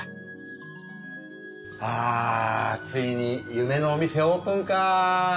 あついに夢のお店オープンかぁ。